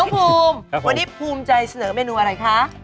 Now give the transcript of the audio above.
ภูมิวันนี้ภูมิใจเสนอเมนูอะไรคะ